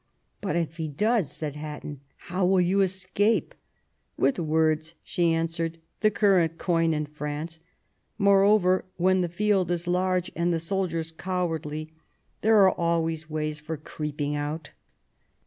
" But if he does," said Hatton, how will you escape?" "With words," she answered, the current coin in France, Moreover, i8o QUEEN ELIZABETH. when the field is large, and the soldiers cowardly, there are always ways for creeping out."